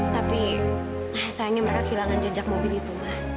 tapi sayangnya mereka kehilangan jejak mobil itu ma